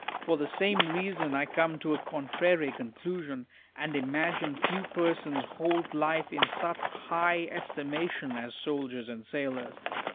For the same reason, I come to a contrary conclusion, and imagine few persons hold life in such high estimation as soldiers and sailors.